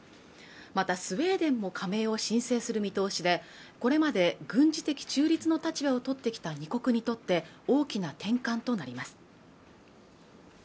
またスウェーデンも加盟を申請する見通しでこれまで軍事的中立の立場をとってきた２国にとって大きな転換となります